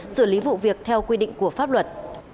xử lý vụ việc theo quy định của pháp luật